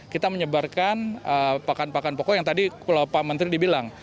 kita menyebarkan pakan pakan pokok yang tadi kalau pak menteri dibilang